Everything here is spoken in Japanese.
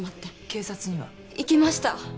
警察には？行きました。